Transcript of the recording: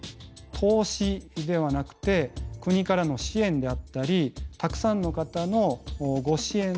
投資ではなくて国からの支援であったりたくさんの方のご支援で運営しています。